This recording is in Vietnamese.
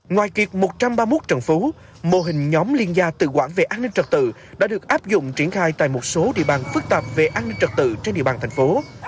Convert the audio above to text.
ngoài kiệt một trăm ba mươi một trần phú mô hình nhóm liên gia tự quản về an ninh trật tự đã được áp dụng triển khai tại một số địa bàn phức tạp về an ninh trật tự trên địa bàn thành phố